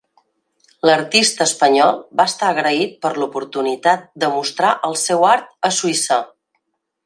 L'artista espanyol va estar agraït per l'oportunitat de mostrar el seu art a Suïssa.